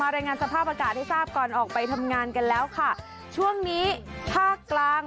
รายงานสภาพอากาศให้ทราบก่อนออกไปทำงานกันแล้วค่ะช่วงนี้ภาคกลาง